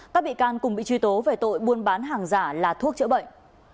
các bị can cùng bị truy tố về tội buôn bán hàng giả là thuốc chữa bệnh